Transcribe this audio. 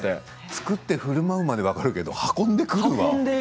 作ってふるまうまでは分かるけど運んでくれるんだ。